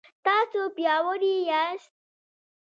تاسو پیاوړي یاست